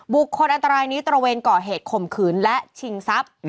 คนอันตรายนี้ตระเวนก่อเหตุข่มขืนและชิงทรัพย์